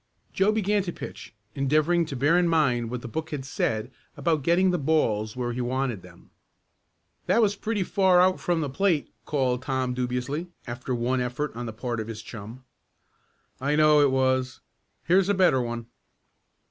Joe began to pitch, endeavoring to bear in mind what the book had said about getting the balls where he wanted them. "That was pretty far out from the plate," called Tom dubiously, after one effort on the part of his chum. "I know it was. Here's a better one."